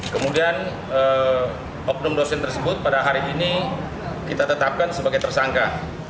kemudian oknum dosen tersebut pada hari ini kita tetapkan sebagai tersangka